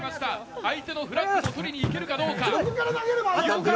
相手のフラッグを取りに行けるかどうか。